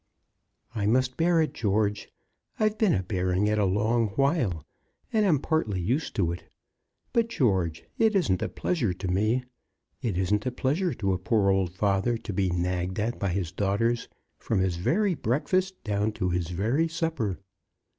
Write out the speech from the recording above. "I must bear it, George. I've been a bearing a long while, and I'm partly used to it. But, George, it isn't a pleasure to me. It isn't a pleasure to a poor old father to be nagged at by his daughters from his very breakfast down to his very supper.